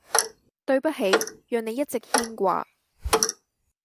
對不起，讓你一直牽掛！